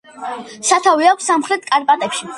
სათავე აქვს სამხრეთ კარპატებში.